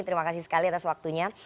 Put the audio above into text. terima kasih sekali atas waktunya